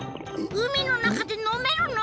海の中で飲めるの？